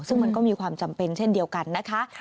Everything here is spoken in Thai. ซึ่งมันก็มีความจำเป็นเช่นเดียวกันนะคะ